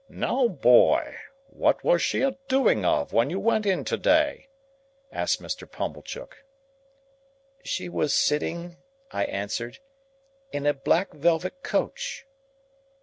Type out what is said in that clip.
"Now, boy! What was she a doing of, when you went in today?" asked Mr. Pumblechook. "She was sitting," I answered, "in a black velvet coach."